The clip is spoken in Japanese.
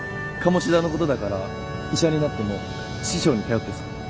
鴨志田のことだから医者になっても師匠に頼ってそう。